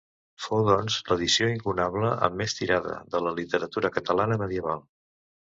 Fou doncs l'edició incunable amb més tirada de la literatura catalana medieval.